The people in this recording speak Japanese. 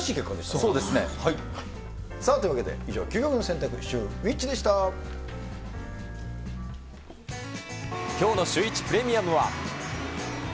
そうですね。というわけで、以上、究極のきょうのシューイチプレミアムは。